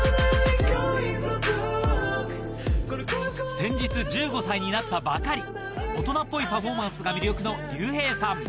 先日１５歳になったばかり大人っぽいパフォーマンスが魅力の ＲＹＵＨＥＩ さん